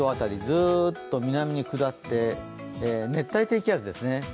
ずーっと南に下って、熱帯低気圧ですね。